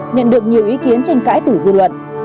nhận được nhiều ý kiến tranh cãi từ dư luận